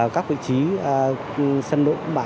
các vị trí sân đỗ